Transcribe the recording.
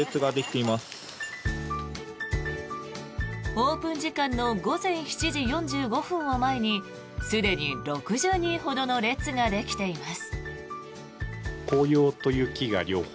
オープン時間の午前７時４５分を前にすでに６０人ほどの列ができています。